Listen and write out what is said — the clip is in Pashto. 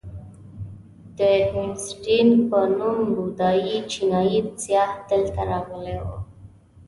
د هیونتسینګ په نوم بودایي چینایي سیاح دلته راغلی و.